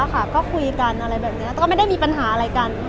ก็คุยกันอะไรแบบนี้แล้วก็ไม่ได้มีปัญหาอะไรกัน